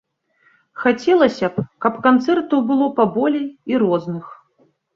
Хацелася б, каб канцэртаў было паболей і розных.